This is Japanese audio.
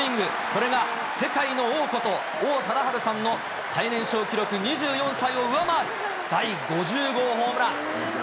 これが世界の王こと王貞治さんの最年少記録２４歳を上回る、第５０号ホームラン。